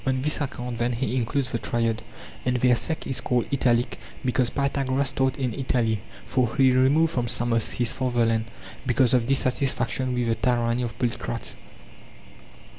On this account then he includes the triad. ... And their sect is called Italic because Pythagoras taught in Italy, for he removed from Samos, his fatherland, because of dissatisfaction with the tyranny of Polykrates.